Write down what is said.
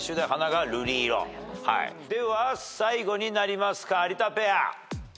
では最後になりますか有田ペア。